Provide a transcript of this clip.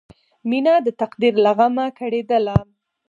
مینه د تقدیر له غمه کړېدله